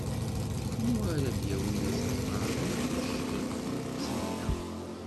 D kunwi ara d-yawin asafar n tujjya n tmetti-nneɣ.